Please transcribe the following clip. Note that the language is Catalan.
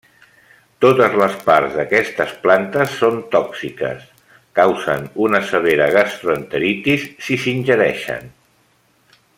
Totes les parts d'aquestes plantes són tòxiques; causen una severa gastroenteritis si s'ingereixen.